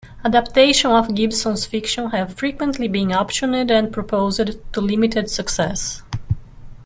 Adaptations of Gibson's fiction have frequently been optioned and proposed, to limited success.